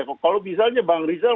kalau misalnya bank rizal